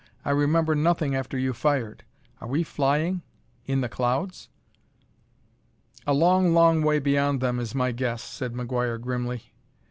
I remember nothing after you fired. Are we flying in the clouds?" "A long, long way beyond them, is my guess," said McGuire grimly.